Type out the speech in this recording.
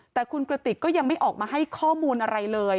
แต่คุณกระติกก็ยังไม่ออกมาให้ข้อมูลอะไรเลย